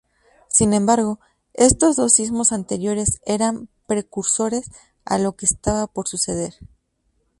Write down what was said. Sin embargo, estos dos sismos anteriores eran precursores a lo que estaba por suceder.